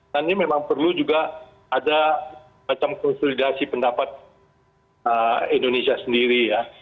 ini memang perlu juga ada macam konsolidasi pendapat indonesia sendiri ya